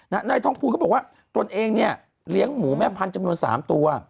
นายทองภูลเขาบอกว่าตนเองเนี่ยเลี้ยงหมูแม่พันธุ์จำนวน๓ตัว